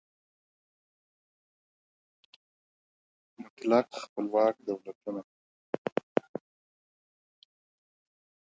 مطلق خپلواک دولتونه